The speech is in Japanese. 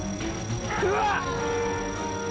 うわっ！